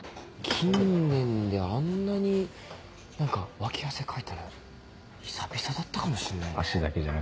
近年であんなに何か脇汗かいたの久々だったかもしんねえな。